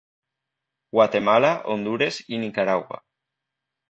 Guatemala, Hondures i Nicaragua.